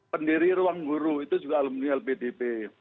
pendiri ruang guru itu juga alumni lpdp